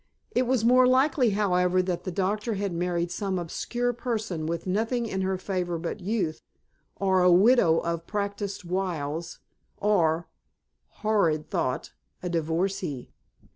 It was more likely however that the doctor had married some obscure person with nothing in her favor but youth, or a widow of practiced wiles, or horrid thought a divorcee.